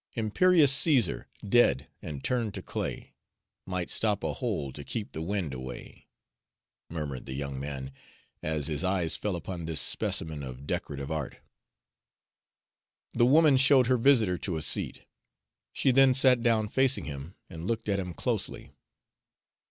"Imperious Caesar, dead, and turned to clay, Might stop a hole to keep the wind away," murmured the young man, as his eye fell upon this specimen of decorative art. The woman showed her visitor to a seat. She then sat down facing him and looked at him closely.